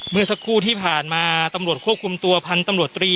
เมื่อสักครู่ที่ผ่านมาตำรวจควบคุมตัวพันธุ์ตำรวจตรี